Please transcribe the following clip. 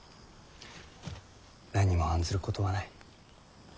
何も案ずることはない。